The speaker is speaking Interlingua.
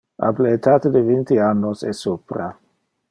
Ab le etate de vinti annos e supra.